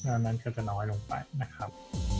อันนั้นก็จะน้อยลงไปนะครับ